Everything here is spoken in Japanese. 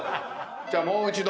じゃあもう一度。